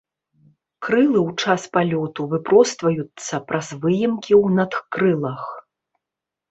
Крылы ў час палёту выпростваюцца праз выемкі ў надкрылах.